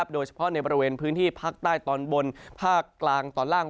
โดยเฉพาะในบริเวณพื้นที่ภาคใต้ตอนบนภาคกลางตอนล่าง